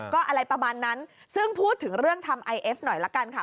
ก็อะไรประมาณนั้นซึ่งพูดถึงเรื่องทำไอเอฟหน่อยละกันค่ะ